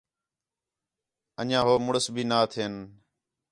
انڄیاں ہو مڑس بھی نا تھین